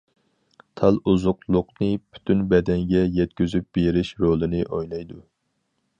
تال ئوزۇقلۇقنى پۈتۈن بەدەنگە يەتكۈزۈپ بېرىش رولىنى ئوينايدۇ.